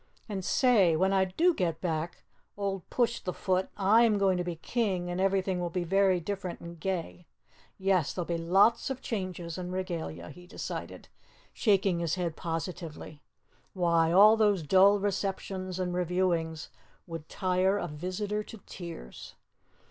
"And say, when I do get back, old Push the Foot, I'M going to be KING and everything will be very different and gay. Yes, there'll be a lot of changes in Regalia," he decided, shaking his head positively. "Why, all those dull receptions and reviewings would tire a visitor to tears."